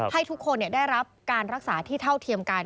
ให้ทุกคนได้รับการรักษาที่เท่าเทียมกัน